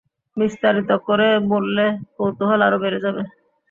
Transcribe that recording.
বিস্তারিত করে বললে কৌতূহল আরো বেড়ে যাবে।